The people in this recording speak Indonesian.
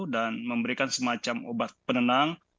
dan memberikan semacam obat penenang